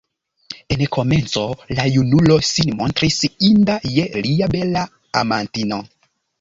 En komenco la junulo sin montris inda je lia bela amantino.